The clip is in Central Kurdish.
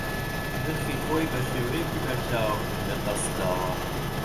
نرخی خۆی بە شێوەیەکی بەرچاو لەدەست داوە